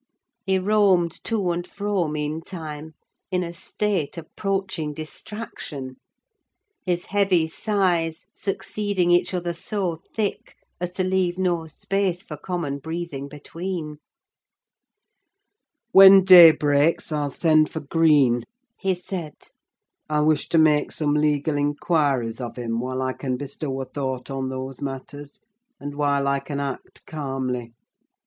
He roamed to and fro, meantime, in a state approaching distraction; his heavy sighs succeeding each other so thick as to leave no space for common breathing between. "When day breaks I'll send for Green," he said; "I wish to make some legal inquiries of him while I can bestow a thought on those matters, and while I can act calmly.